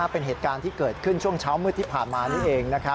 เป็นเหตุการณ์ที่เกิดขึ้นช่วงเช้ามืดที่ผ่านมานี่เอง